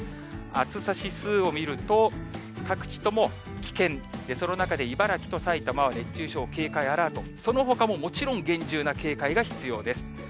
暑さ指数を見ると、各地とも危険、その中で茨城と埼玉は、熱中症警戒アラート、そのほかももちろん、厳重な警戒が必要です。